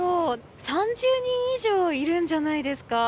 ３０人以上いるんじゃないですか。